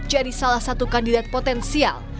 jadi salah satu kandidat potensial